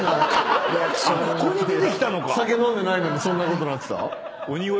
酒飲んでないのにそんなことになってた？